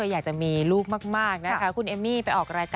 ว่าถ้าจะประมาณนี้เราจะต้องหยุดประมาณนี้